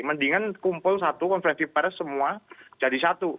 mendingan kumpul satu konferensi pers semua jadi satu